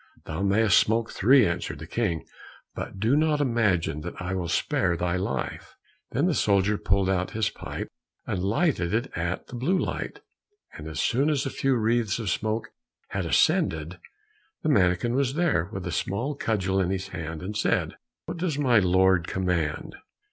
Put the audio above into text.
"Thou mayst smoke three," answered the King, "but do not imagine that I will spare thy life." Then the soldier pulled out his pipe and lighted it at the blue light, and as soon as a few wreaths of smoke had ascended, the mannikin was there with a small cudgel in his hand, and said, "What does my lord command?"